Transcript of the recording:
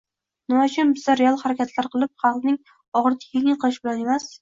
Nima uchun bizda real harakatlar qilib, xalqning og‘irini yengil qilish bilan emas